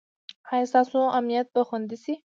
ایا ستاسو امنیت به خوندي شي؟